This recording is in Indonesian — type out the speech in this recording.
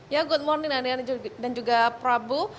ya good morning anian dan juga prabu